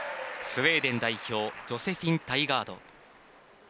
スウェーデン代表ジョセフィン・タイガード。